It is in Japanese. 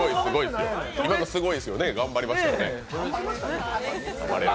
今のすごいですよね、頑張りました。